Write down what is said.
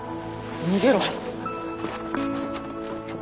逃げろ！